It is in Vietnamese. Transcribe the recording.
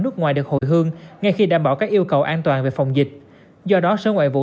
nước ngoài được hồi hương ngay khi đảm bảo các yêu cầu an toàn về phòng dịch do đó sở ngoại vụ